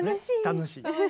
楽しいね。